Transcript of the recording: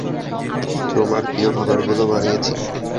তোমার প্রিয় খাবারগুলো বানিয়েছি।